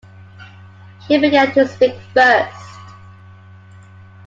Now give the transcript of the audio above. He began to speak first.